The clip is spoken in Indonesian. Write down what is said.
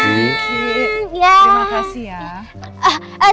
kiki terima kasih ya